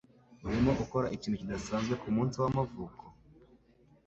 Urimo ukora ikintu kidasanzwe kumunsi wamavuko?